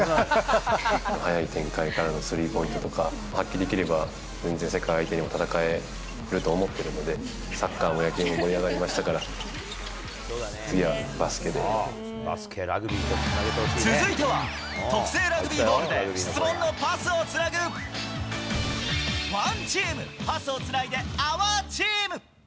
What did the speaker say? はやい展開からのスリーポイントとか、発揮できれば全然世界相手にも戦えると思ってるので、サッカーも野球も盛り上がりまし続いては、特製ラグビーボールで質問のパスをつなぐ、ＯＮＥＴＥＡＭパスをつないでＯＵＲＴＥＡＭ。